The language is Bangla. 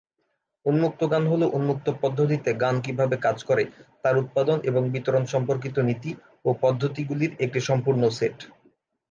উন্মুক্ত জ্ঞান হলো উন্মুক্ত পদ্ধতিতে জ্ঞান কীভাবে কাজ করে তার উৎপাদন এবং বিতরণ সম্পর্কিত নীতি ও পদ্ধতিগুলির একটি সম্পূর্ণ সেট।